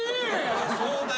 そうだよ。